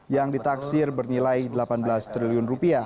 yang ditaksir bernilai rp delapan belas triliun